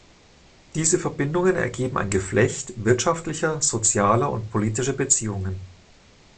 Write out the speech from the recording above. Diese Verbindungen ergeben ein Geflecht wirtschaftlicher, sozialer und politischer Beziehungen.